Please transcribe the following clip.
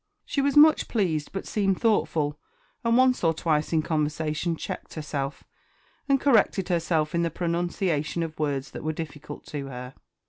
She was much pleased, but seemed thoughtful, and once or twice in conversation checked herself, and corrected herself in the pronunciation of words that were difficult to her.